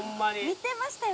見てましたよ。